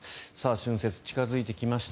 春節が近付いてきました。